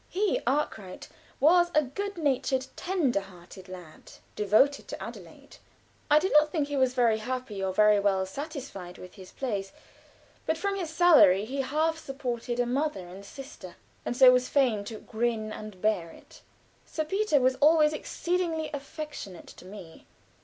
He Arkwright was a good natured, tender hearted lad, devoted to Adelaide. I do not think he was very happy or very well satisfied with his place, but from his salary he half supported a mother and sister, and so was fain to "grin and bear it." Sir Peter was always exceedingly affectionate to me.